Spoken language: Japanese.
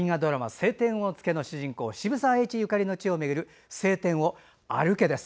「青天を衝け」の主人公渋沢栄一ゆかりの地を巡る「青天を歩け！」です。